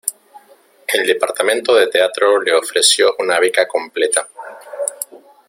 El departamento de teatro le ofreció una beca completa.